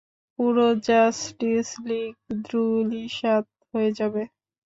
পুরো justice league ধূলিসাৎ হয়ে যাবে।